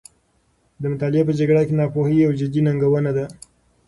د مطالعې په جګړه کې، ناپوهي یوه جدي ننګونه ده.